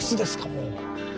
もう。